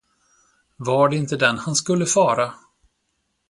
Var det inte den han skulle fara.